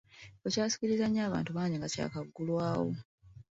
Ekifo kyasikiriza nnyo abantu bangi nga kyakagulwawo.